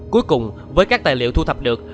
cuối cùng với các tài liệu thu thập được